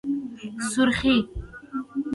💄سورخي